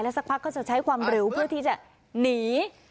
สักพักก็จะใช้ความเร็วเพื่อที่จะหนี